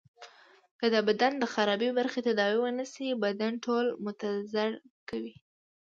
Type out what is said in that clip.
که د بدن د خرابي برخی تداوي ونه سي بدن ټول متضرر کوي.